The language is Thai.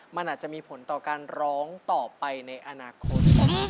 มันอาจจะมีผลต่อการร้องต่อไปในอนาคต